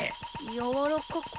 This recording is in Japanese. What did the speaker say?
やわらかく。